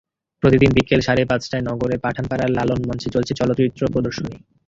প্রতিদিন বিকেল সাড়ে পাঁচটায় নগরের পাঠানপাড়ার লালন মঞ্চে চলছে চলচ্চিত্র প্রদর্শনী।